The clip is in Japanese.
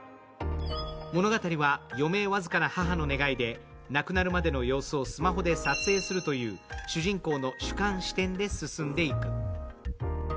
物語は余命僅かな母の願いで亡くなるまでの様子をスマホで撮影するという主人公の主観視点で進んでいく。